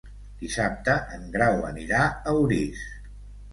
Dissabte en Grau anirà a Orís.